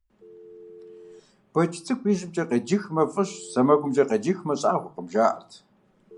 Бэдж цӀыкӀу ижьымкӀэ къеджыхмэ, фӀыщ, сэмэгумкӀэ къеджыхмэ, щӀагъуэкъым, жаӀэрт.